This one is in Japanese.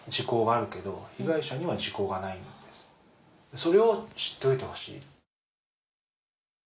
それを知っておいてほしい。